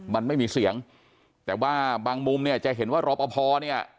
มันไม่มีเสียงแต่ว่าบางมุมเนี่ยจะเห็นว่ารอปภเนี่ย